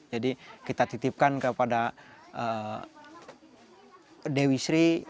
jadi kita titipkan kepada dewi sri